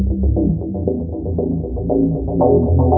karena dari atas sana ini agak penting ya